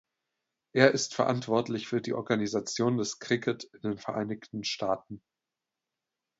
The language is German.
Er ist verantwortlich für die Organisation des Cricket in den Vereinigten Staaten.